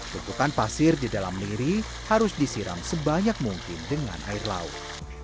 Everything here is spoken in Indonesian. tumpukan pasir di dalam niri harus disiram sebanyak mungkin dengan air laut